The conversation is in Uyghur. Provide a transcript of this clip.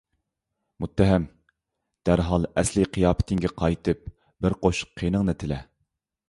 مۇتتەھەم! دەرھال ئەسلىي قىياپىتىڭگە قايتىپ بىر قوشۇق قېنىڭنى تىلە!